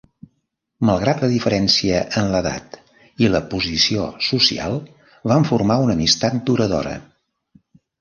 Malgrat la diferència en l'edat i la posició social, van formar una amistat duradora.